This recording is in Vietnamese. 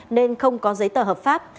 nên không có giấy tờ hợp pháp